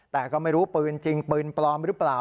แต่ก็ไม่รู้ปืนจริงปืนปลอมหรือเปล่า